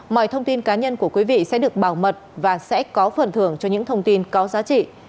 mọi thông tin cá nhân của quý vị sẽ được bảo mật và sẽ có phần thưởng cho những thông tin có giá trị